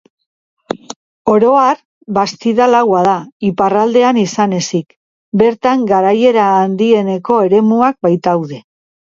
Oro har, Bastida laua da, iparraldean izan ezik, bertan garaiera handieneko eremuak baitaude.